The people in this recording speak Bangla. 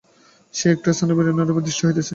সেই একই স্থাণু বিভিন্নরূপে দৃষ্ট হইতেছে।